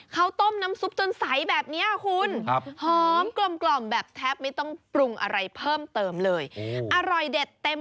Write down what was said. เขาต้มน้ำซุปจนใสแบบนี้คุณหอมกลมแบบแทบไม่ต้องปรุงอะไรเพิ่มเติมเลยอร่อยเด็ดเต็ม